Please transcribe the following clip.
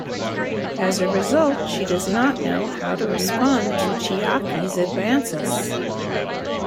As a result, she does not know how to respond to Chiaki's advances.